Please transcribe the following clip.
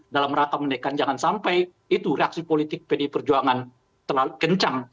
dalam rangka menekan jangan sampai itu reaksi politik pdi perjuangan terlalu kencang